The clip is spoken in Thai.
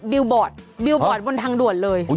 บิลบอร์ดบนทางด่วนเลย